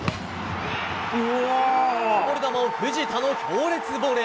こぼれ球を藤田の強烈ボレー。